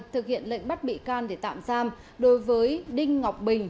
thực hiện lệnh bắt bị can để tạm giam đối với đinh ngọc bình